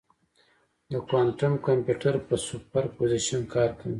د کوانټم کمپیوټر په سوپرپوزیشن کار کوي.